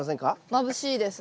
まぶしいです。